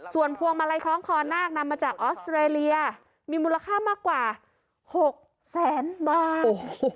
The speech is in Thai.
ส่วนพวงมาลัยคล้องคอนาคนำมาจากออสเตรเลียมีมูลค่ามากกว่า๖แสนบาท